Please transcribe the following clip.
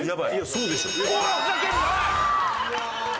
そうでしょ。